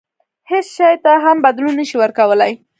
هیڅ شي ته هم بدلون نه شي ورکولای.